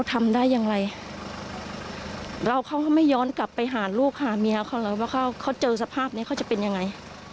ทำได้อย่างไรแล้วเขาก็ไม่ย้อนกลับไปหาลูกหาเมียเขาเลยว่าเขาเจอสภาพนี้เขาจะเป็นยังไง